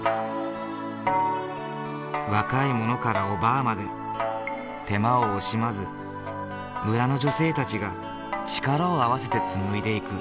若い者からおばぁまで手間を惜しまず村の女性たちが力を合わせて紡いでいく。